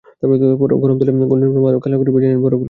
গরম তেলে golden brown colour করে ভেজে নিন বড়াগুলো।